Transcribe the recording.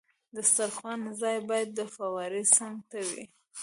د دسترخوان ځای باید د فوارې څنګ ته وي.